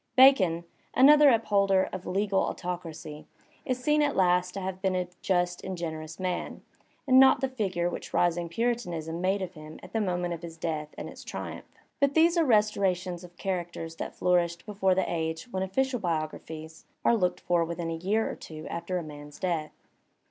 Bacon, another upholder of legal autoc racy, is seen at last to have been a just and generous man, and not the figure which rising Puritanism made of him at the onoment of his death and its triumph. But these are res torations of characters that flourished before the age when official biographies are looked for within a year or two after a man's death.